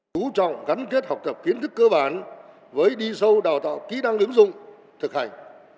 chú trọng gắn kết học tập kiến thức cơ bản với đi sâu đào tạo kỹ năng ứng dụng thực hành